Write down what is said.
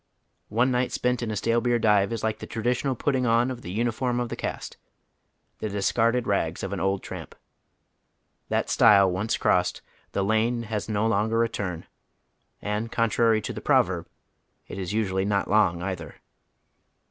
One night spent in a stale beer dive is like the traditional putting on of tlie uniform of the caste, the discarded rags of an old tramp. That stile once crossed, the lane has no longer a turn ; and contrary to the proverb, it is usually not long either.